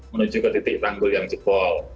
menuju ke titik tanggul yang jebol